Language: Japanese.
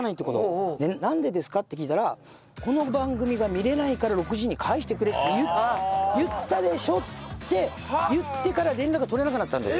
「なんでですか？」って聞いたら「この番組が見られないから６時に帰してくれって言ったでしょ！」って言ってから連絡が取れなくなったんです。